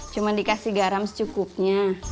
cuma dikasih garam secukupnya